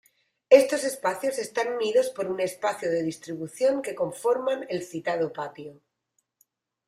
Estos espacios están unidos por un espacio de distribución que conforman el citado patio.